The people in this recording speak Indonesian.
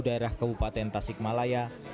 darah kabupaten tasik malaya jawa barat kami sore